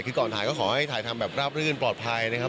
คือก่อนถ่ายก็ขอให้ถ่ายทำแบบราบรื่นปลอดภัยนะครับ